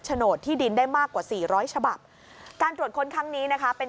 โดดที่ดินได้มากกว่าสี่ร้อยฉบับการตรวจค้นครั้งนี้นะคะเป็น